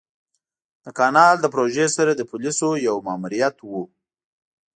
د کانال له پروژې سره د پوليسو يو ماموريت و.